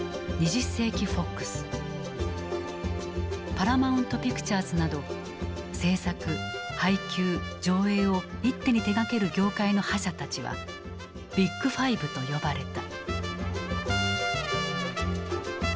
パラマウント・ピクチャーズなど製作・配給・上映を一手に手がける業界の覇者たちは「ビッグファイブ」と呼ばれた。